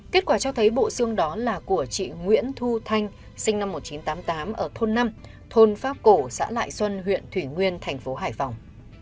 kết quả cho thấy bộ xương đó là của chị nguyễn thu thanh sinh năm một nghìn chín trăm tám mươi tám ở thôn năm thôn pháp cổ xã lại xuân huyện thủy nguyên thành phố hải phòng